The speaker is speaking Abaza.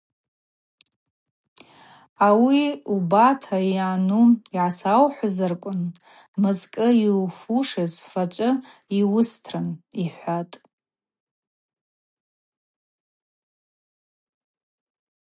Ауи убата йъану гӏасаухӏвырквныз мызкӏы йуызхъуш фачӏвыта йуыстрын, – йхӏватӏ.